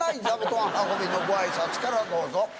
ご挨拶からどうぞ。